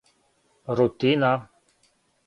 рутина